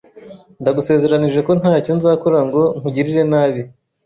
Ndagusezeranije ko ntacyo nzakora ngo nkugirire nabi.